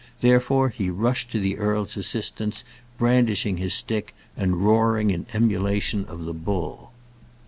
Therefore he rushed to the earl's assistance, brandishing his stick, and roaring in emulation of the bull.